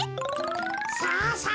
さあさあ